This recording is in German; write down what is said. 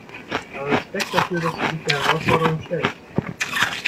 Aber Respekt dafür, dass du dich der Herausforderung stellst.